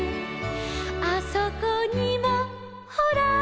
「あそこにもほら」